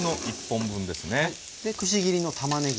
でくし切りのたまねぎ。